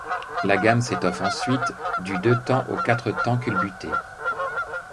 La gamme s'étoffe ensuite, du deux-temps au quatre-temps culbuté.